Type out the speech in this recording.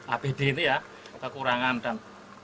apd ini ya kekurangan dan